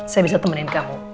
saya bisa temenin kamu